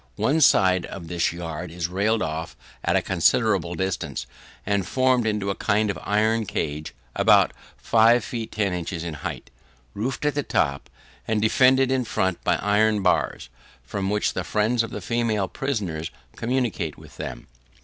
One side of this yard is railed off at a considerable distance, and formed into a kind of iron cage, about five feet ten inches in height, roofed at the top, and defended in front by iron bars, from which the friends of the female prisoners communicate with them.